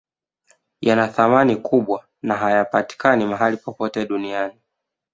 Yanathamani kubwa na hayapatikani mahali popote duniani